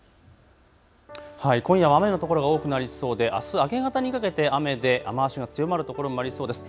今夜は雨のところが多くなりそうであす明け方にかけて雨で雨足の強まる所もありそうです。